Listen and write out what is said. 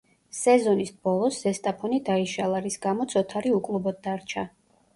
სეზონის ბოლოს „ზესტაფონი“ დაიშალა, რის გამოც ოთარი უკლუბოდ დარჩა.